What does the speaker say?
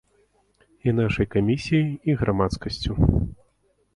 І нашай камісіяй, і грамадскасцю.